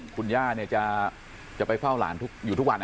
คุณย่าจะไปเฝ้าหลานอยู่ทุกวัน